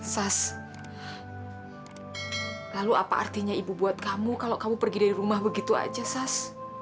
sas lalu apa artinya ibu buat kamu kalau kamu pergi dari rumah begitu aja sas